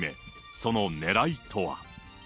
そのねらいとは。